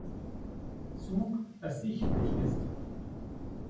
Zug ersichtlich ist.